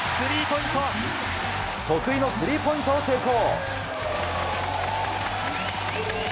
得意のスリーポイントを成功。